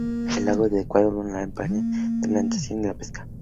El lago es adecuado para la acampada, la natación y la pesca.